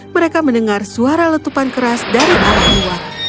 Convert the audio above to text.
mereka mendengar suara letupan keras dari arah luar